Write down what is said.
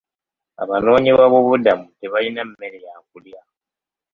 Abanoonyiboobubudamu tebalina mmere ya kulya.